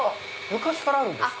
昔からあるんですか？